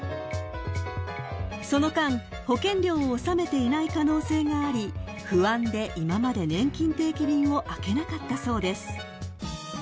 ［その間保険料を納めていない可能性があり不安で今までねんきん定期便を開けなかったそうです］